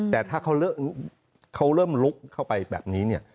แต่ถ้าเขาเริ่มลุกเข้าไปแบบนี้เนี่ย